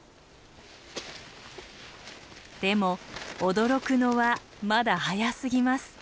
でも驚くのはまだ早すぎます。